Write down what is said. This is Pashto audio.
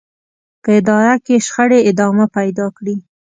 که اداره کې شخړې ادامه پيدا کړي.